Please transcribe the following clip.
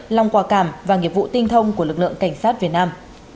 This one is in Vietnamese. lòng quả cảm và nghiệp vụ tinh thông của lực lượng cảnh sát việt nam